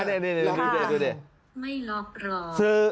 ไม่ล๊อคหรอ